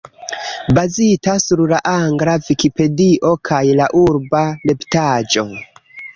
Bazita sur la angla Vikipedio kaj la urba retpaĝo.